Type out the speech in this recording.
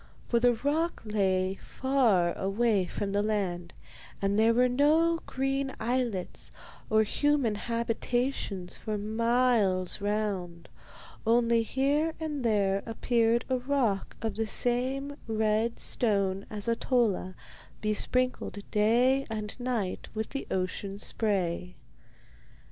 For the rock lay far away from the land, and there were no green islets or human habitations for miles round, only here and there appeared a rock of the same red stone as Ahtola, besprinkled day and night with the ocean spray.